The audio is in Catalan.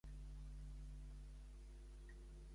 Què fan les nits de ple de lluna?